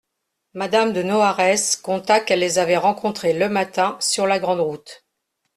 Madame de Noares conta qu'elle les avait rencontrés le matin sur la grande route.